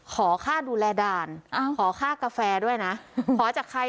ขอค่าดูแลด่านขอค่ากาแฟด้วยนะขอจากใคร